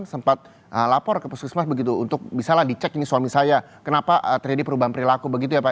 sempat lapor ke puskesmas begitu untuk bisalah dicek ini suami saya kenapa terjadi perubahan perilaku begitu ya pak